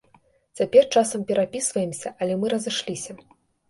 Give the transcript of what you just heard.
Цяпер часам перапісваемся, але мы разышліся.